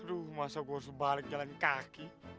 aduh masa gue harus balik jalan kaki